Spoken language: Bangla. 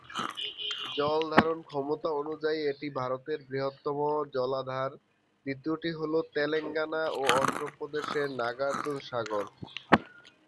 জল ধারণ ক্ষমতা অনুযায়ী, এটি ভারতের বৃহত্তম জলাধার; দ্বিতীয়টি হল তেলেঙ্গানা ও অন্ধ্র প্রদেশের নাগার্জুন সাগর।